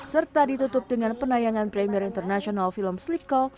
serta ditutup dengan penayangan premier international film slick call